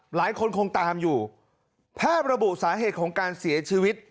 หลายคนคงตามอยู่แพทย์ระบุสาเหตุของการเสียชีวิต